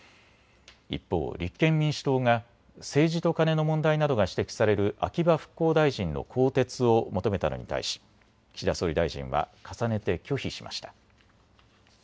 一方、立憲民主党が政治とカネの問題などが指摘される秋葉復興大臣の更迭を求めたのに対し、岸田総理大臣は重ねて拒否しました。